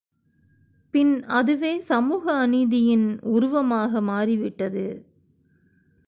பின் அதுவே சமூக அநீதியின் உருவமாக மாறிவிட்டது.